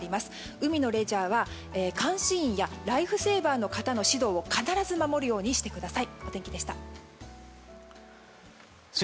海のレジャーは監視員やライフセーバーの方の指導を必ず守るようにしてください。